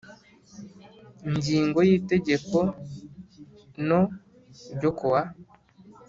Ingingo ya y itegeko no ryo kuwa